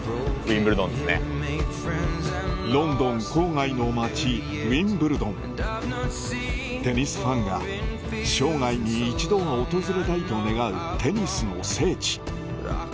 ロンドン郊外の街ウィンブルドンテニスファンが生涯に一度は訪れたいと願うテニスの聖地